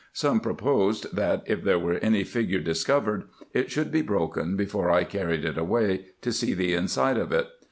Some pro posed, that, if there were any figure discovered, it should be broken before I carried it away, to see the inside of it.